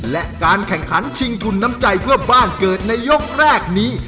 และการแข่งขันชิงทุนน้ำใจเพื่อบ้านเกิดในยกแรกนี้